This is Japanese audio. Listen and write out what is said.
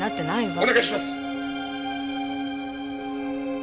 お願いします！